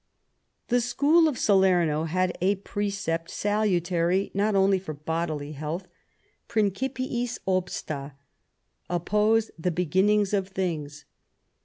The School of Salerno had a precept salutary not only for bodily health, Principiis obsta (oppose the beginnings of things).